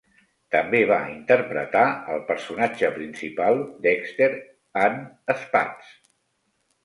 També va interpretar al personatge principal Dexter en "Spatz".